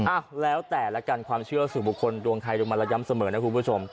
อ้าวแล้วแต่ละกันความเชื่อสู่บุคคลดวงไทยดูมาระยังเสมอนะครับคุณผู้ชม